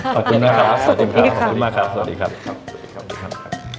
ขอบคุณมาคสวัสดีครับ